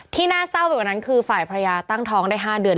น่าเศร้าไปกว่านั้นคือฝ่ายภรรยาตั้งท้องได้๕เดือน